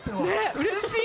うれしい。